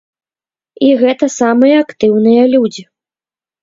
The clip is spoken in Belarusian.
І гэта самыя актыўныя людзі.